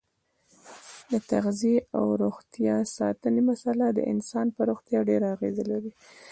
د تغذیې او روغتیا ساتنې مساله د انسان په روغتیا ډېره اغیزه لري.